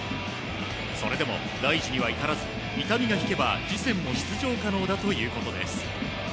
それでも大事には至らず痛みが引けば次戦も出場可能だということです。